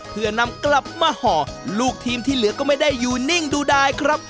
เพื่อนำกลับมาห่อลูกทีมที่เหลือก็ไม่ได้อยู่นิ่งดูดายครับ